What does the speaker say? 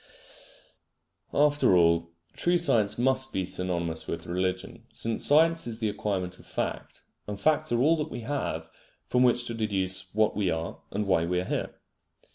After all, true science must be synonymous with religion, since science is the acquirement of fact; and facts are all that we have from which to deduce what we are and why we are here.